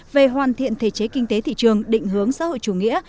về hoàn thiện thể chế kinh tế thị trường định hướng xã hội chủ nghĩa